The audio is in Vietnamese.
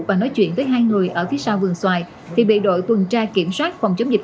và nói chuyện với hai người ở phía sau vườn xoài thì bị đội tuần tra kiểm soát phòng chống dịch